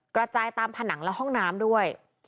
กระจายตามผนังและห้องน้ำด้วย